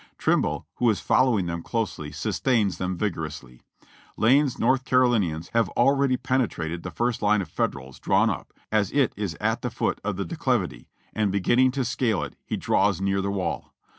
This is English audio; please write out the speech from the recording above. Trimble, who is following them closely, sustains them vigorously. Lane's North Carolinians have already penetrated the first line of Federals drawn up as it is at the foot of the declivity, and beginning to scale it he draws near the wall.